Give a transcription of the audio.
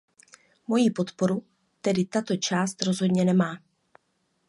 Moji podporu tedy tato část rozhodně nemá.